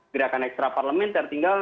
gerakan ekstraparlamenter tinggal